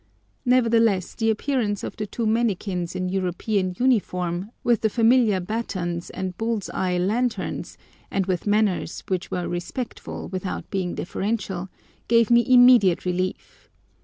Nevertheless the appearance of the two mannikins in European uniforms, with the familiar batons and bull's eye lanterns, and with manners which were respectful without being deferential, gave me immediate relief.